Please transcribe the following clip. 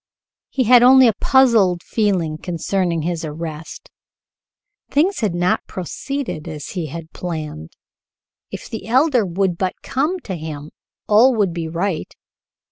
He had only a puzzled feeling concerning his arrest. Things had not proceeded as he had planned. If the Elder would but come to him, all would be right.